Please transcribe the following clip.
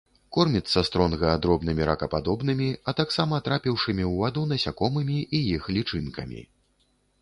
Корміцца стронга дробнымі ракападобнымі, а таксама трапіўшымі ў ваду насякомымі і іх лічынкамі.